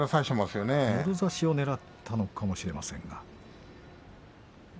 もろ差しをねらったのかもしれませんが。